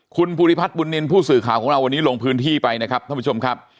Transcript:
คุณภูริพัฒน์บุญนินทร์ผู้สื่อข่าวของเราวันนี้ลงพื้นที่ไปนะครับท่านผู้ชมครับ